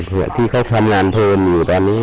เพื่อที่เขาทำงานโทนอยู่ตอนนี้